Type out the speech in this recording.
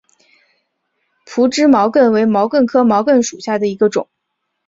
匍枝毛茛为毛茛科毛茛属下的一个种。